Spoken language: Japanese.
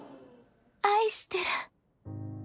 愛してる。